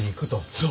そう。